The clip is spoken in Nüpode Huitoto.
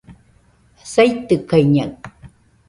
saitɨkaɨñaɨ